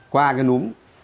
qua cái núm